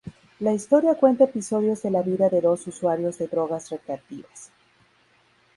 La historia cuenta episodios de la vida de dos usuarios de drogas recreativas.